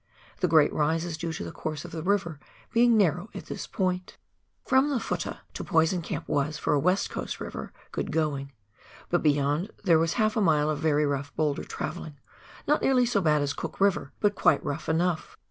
The great rise is due to the course of the river being narrow at this point. From the " futtah " to Poison Camp was, for a "West Coast river, good going ; but beyond there was half a mile of very rough boulder travelling, not nearly so bad as Cook River, but quite rough enough.